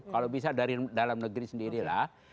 kalau bisa dari dalam negeri sendirilah